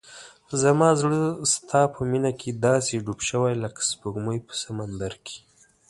زما زړه ستا په مینه کې داسې ډوب شوی لکه سپوږمۍ په سمندر کې.